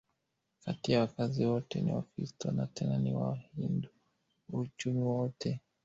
kati ya wakazi wote ni Wakristo na tena ni Wahindu Uchumi wote